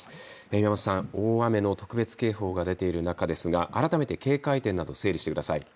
宮本さん、大雨の特別警報が出ている中ですが改めて警戒点などを整理してください。